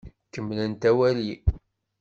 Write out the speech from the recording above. Kemmlemt awali!